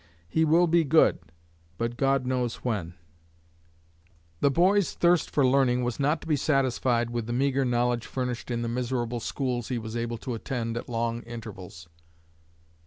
he will be good but god knows When_" The boy's thirst for learning was not to be satisfied with the meagre knowledge furnished in the miserable schools he was able to attend at long intervals.